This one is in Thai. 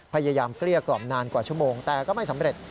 เกลี้ยกล่อมนานกว่าชั่วโมงแต่ก็ไม่สำเร็จ